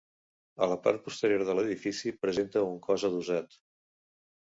A la part posterior de l'edifici presenta un cos adossat.